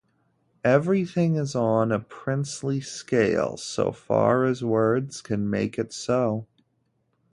Everything is on a princely scale, so far as words can make it so.